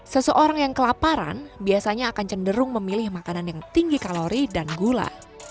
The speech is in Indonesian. seseorang yang kelaparan biasanya akan cenderung memilih makanan yang tinggi kalori dan gula